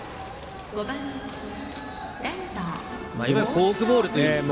フォークボールですね。